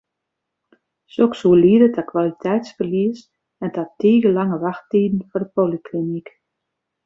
Soks soe liede ta kwaliteitsferlies en ta tige lange wachttiden foar de polyklinyk.